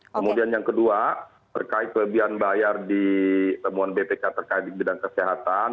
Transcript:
kemudian yang kedua terkait kelebihan bayar di temuan bpk terkait di bidang kesehatan